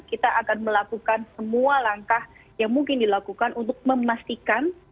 kita akan melakukan semua langkah yang mungkin dilakukan untuk memastikan bahwa undang undang ini akan menjadi kepentingan